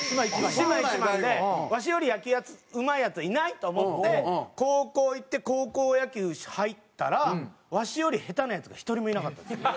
島一番でわしより野球うまいヤツはいないと思って高校行って高校野球入ったらわしより下手なヤツが１人もいなかったんですよ。